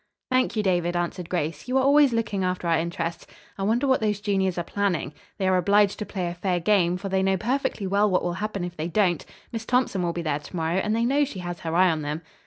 "Thank you, David," answered Grace. "You are always looking after our interests. I wonder what those juniors are planning. They are obliged to play a fair game, for they know perfectly well what will happen if they don't. Miss Thompson will be there to morrow, and they know she has her eye on them."